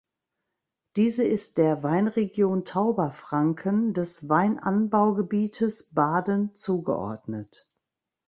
Diese ist der "Weinregion Tauberfranken" des Weinanbaugebietes "Baden" zugeordnet.